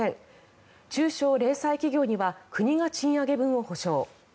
中小零細企業には国が賃上げ分を補償。